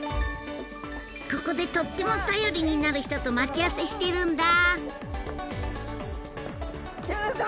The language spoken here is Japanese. ここでとっても頼りになる人と待ち合わせしてるんだ！